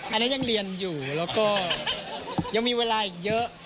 อันนี้ยังเรียนอยู่แล้วก็ยังมีเวลาอีกเยอะ